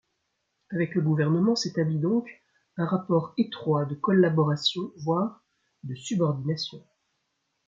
Avec le gouvernement s'établit donc un rapport étroit de collaboration, voire de subordination.